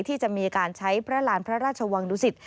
ที่จะมีการใช้พระราณพระราชวังดุสิต